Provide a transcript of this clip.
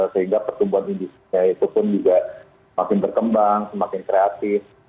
sehingga pertumbuhan industri itu pun juga semakin berkembang semakin kreatif